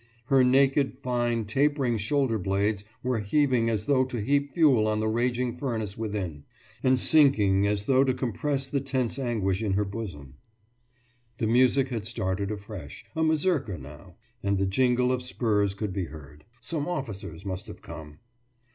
Her naked, finely tapering shoulder blades were heaving as though to heap fuel on the raging furnace within, and sinking as though to compress the tense anguish in her bosom. The music had started afresh; a mazurka now. And the jingle of spurs could be heard. Some officers must have come.